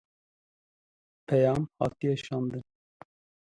Peyam hatiye şandin